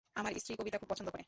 আমার স্ত্রী কবিতা খুব পছন্দ করে।